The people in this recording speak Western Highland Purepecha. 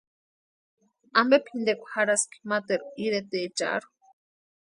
Ampe pʼintekwa jarhaski materu iretecharhu.